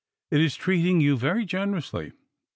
"It is treating you very generously.